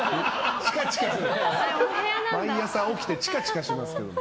毎朝起きてチカチカしますね。